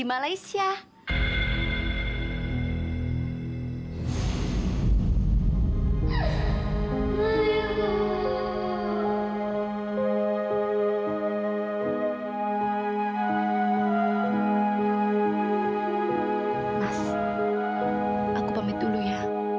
mas aku pamit dulu ya